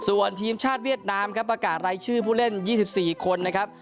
ส่วนทีมชาติเวียดนามครับประกาศรายชื่อผู้เล่น๒๔คนนะครับ